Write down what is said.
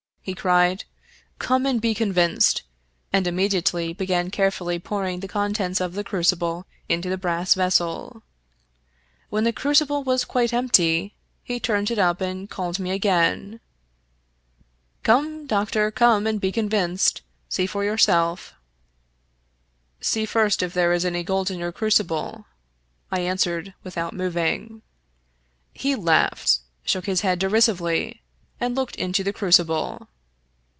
" he cried, " come and be convinced," and immediately began carefully pouring the contents of the crucible into the brass vessel. When the crucible was quite empty he turned it up and called me again. " Come, doctor, come and be convinced. See for yourself." " See first if there is any gold in your crucible," I an swered, without moving. He laughed, shook his head derisively, and looked into the crucible.